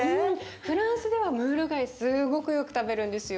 フランスではムール貝すごくよく食べるんですよ。